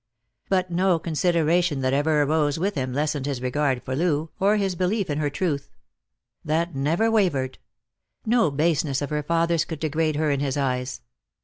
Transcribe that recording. But no consideration that ever arose with him lessened his regard for Loo, or his belief in her truth ; that never wavered ; no baseness of her father's could degrade her in his eyes.